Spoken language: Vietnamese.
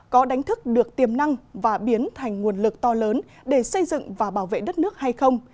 có đánh thức được tiềm năng và biến thành nguồn lực to lớn để xây dựng và bảo vệ đất nước hay không